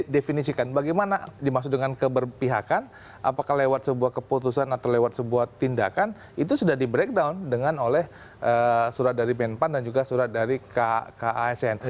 definisikan bagaimana dimaksud dengan keberpihakan apakah lewat sebuah keputusan atau lewat sebuah tindakan itu sudah di breakdown dengan oleh surat dari menpan dan juga surat dari kasn